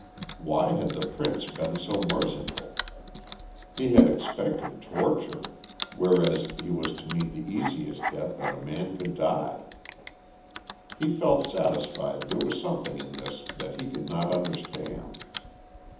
Why had the Prince been so merciful? He had expected torture, whereas he was to meet the easiest death that a man could die. He felt satisfied there was something in this that he could not understand.